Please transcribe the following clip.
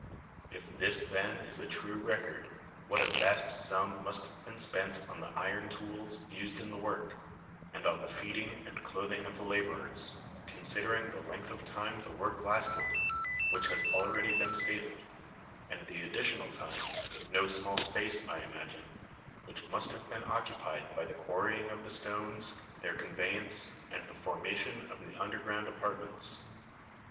If this then is a true record, what a vast sum must have been spent on the iron tools used in the work, and on the feeding and clothing of the labour ers, considering the length of time the work lasted, which has already been stated, and the additional 20 THE SEyEN WONDERS time no small space, I imagine which must have been occupied by the quarrying of the stones, their conveyance, and the formation of the underground apartments.